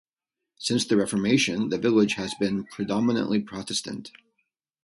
Since the Reformation the village has been predominantly Protestant.